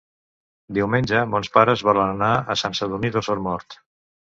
Diumenge mons pares volen anar a Sant Sadurní d'Osormort.